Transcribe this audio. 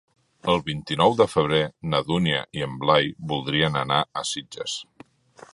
El vint-i-nou de febrer na Dúnia i en Blai voldrien anar a Sitges.